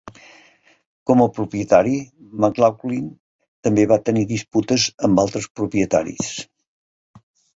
Com a propietari, McLaughlin també va tenir disputes amb altres propietaris.